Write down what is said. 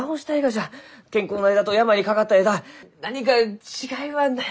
健康な枝と病にかかった枝何か違いはないか。